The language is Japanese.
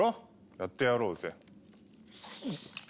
やってやろうぜ。